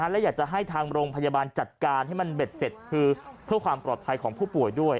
และอยากจะให้ทางโรงพยาบาลจัดการให้มันเบ็ดเสร็จคือเพื่อความปลอดภัยของผู้ป่วยด้วย